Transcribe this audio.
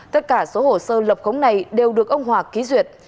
tất cả số hồ sơ lập khống này đều được ông hòa ký duyệt